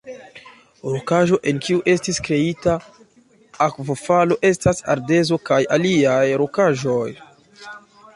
Rokaĵo en kiu estis kreita akvofalo estas ardezo kaj aliaj rokaĵoj.